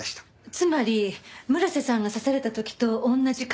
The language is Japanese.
つまり村瀬さんが刺された時と同じ香りって事。